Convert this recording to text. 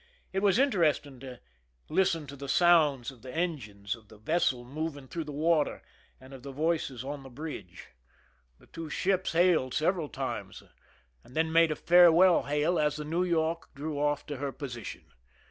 It was interesting to listen to the sounds of the en gines, of th€i vessel moving through the water, and of the voices on the bridge. The two ships hailed several times, and then made a farewell hail as the 79 THE SINKINa OF THE "MEERIMAC" ' New York drew oflf to her position.